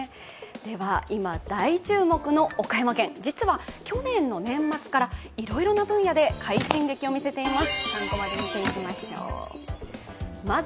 今、大注目の岡山県実は去年の年末からいろいろな分野で快進撃を見せています。